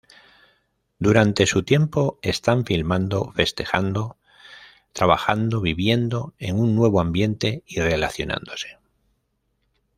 Durante su tiempo, están filmando festejando, trabajando, viviendo en un nuevo ambiente y relacionándose.